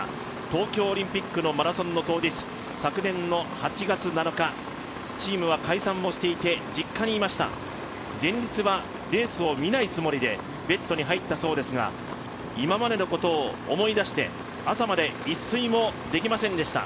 東京オリンピックのマラソンの当日昨年の８月７日、チームは解散をしていて実家にいました、前日はレースを見ないつもりでベッドに入ったそうですが今までのことを思い出して朝まで一睡もできませんでした。